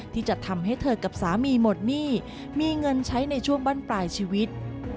ที่จะทำให้เธอกับสามีหมดหนี้มีเงินใช้ในช่วงบั้นปลายชีวิต